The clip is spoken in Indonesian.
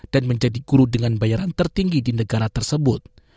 dan menjadi guru dengan bayaran tertinggi di negara tersebut